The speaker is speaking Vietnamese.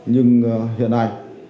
nhưng hiện nay